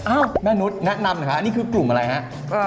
อ้าวแม่นุ๊ดแนะนำนะครับนี่คือกลุ่มอะไรครับ